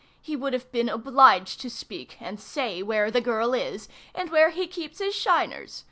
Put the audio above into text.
He would have been obliged to speak, and say where the girl is, and where he keeps his shiners!